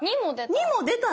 ２も出た。